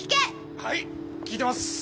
はい聞いてます！